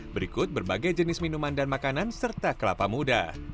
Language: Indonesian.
berikut berbagai jenis minuman dan makanan serta kelapa muda